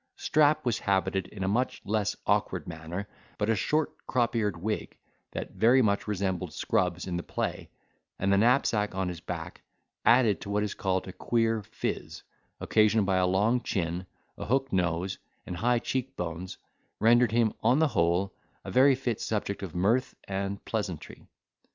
Strap was habited in a much less awkward manner: but a short crop eared wig, that very much resembled Scrub's in the play, and the knapsack on his back, added to what is called a queer phiz, occasioned by a long chin, a hook nose, and high cheek bones, rendered him, on the whole, a very fit subject of mirth and pleasantry.